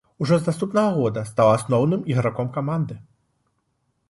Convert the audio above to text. Ужо з наступнага года стаў асноўным іграком каманды.